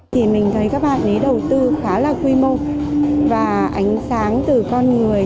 thì mình thấy các bạn ấy đầu tư khá là quy mô và ánh sáng từ con người